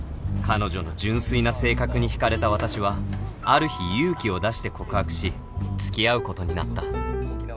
彼女の純粋な性格にひかれた私はある日勇気を出して告白し付き合うことになった